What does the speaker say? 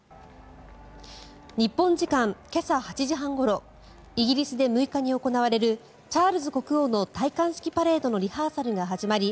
日本時間今朝８時半ごろイギリスで６日に行われるチャールズ国王の戴冠式パレードのリハーサルが始まり